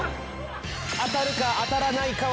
当たるか当たらないかは。